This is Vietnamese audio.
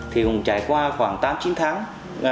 thì mình trải qua khoảng tám chín tháng